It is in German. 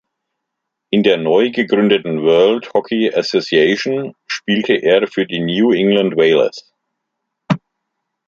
In der neu gegründeten World Hockey Association spielte er für die New England Whalers.